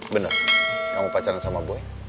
benar kamu pacaran sama boy